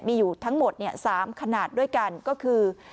มีอยู่ทั้งหมด๓ขนาดด้วยกันก็คือ